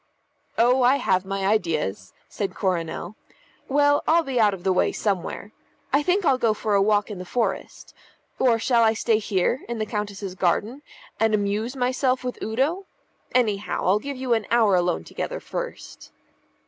"Oh, I have my ideas," said Coronel. "Well, I'll be out of the way somewhere. I think I'll go for a walk in the forest. Or shall I stay here, in the Countess's garden, and amuse myself with Udo? Anyhow, I'll give you an hour alone together first."